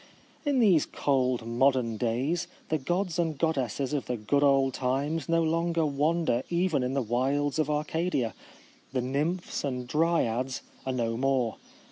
In these cold modern days the gods and goddesses of the good old times no longer wander even in the wilds of Arcadia. The nymphs and dryads are no more.